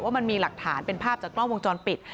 มันมีหลักฐานเป็นภาพจากกล้องวงจรปิด